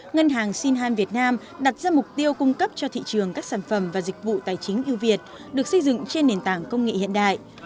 ngân hàng sinh ham việt nam đặt ra mục tiêu cung cấp cho thị trường các sản phẩm và dịch vụ tài chính ưu việt được xây dựng trên nền tảng công nghệ hiện đại